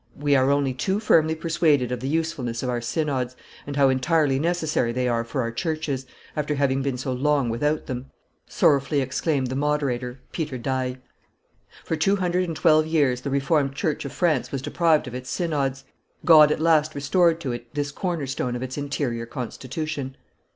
"We are only too firmly persuaded of the usefulness of our synods, and how entirely necessary they are for our churches, after having been so long with out them," sorrowfully exclaimed the moderator, Peter Daille. For two hundred and twelve years the Reformed church of France was deprived of its synods. God at last restored to it this corner stone of its interior constitution.